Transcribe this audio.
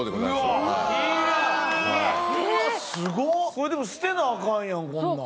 これでも捨てなアカンやんこんなん。